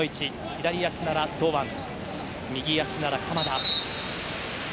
左足なら堂安、右足なら鎌田。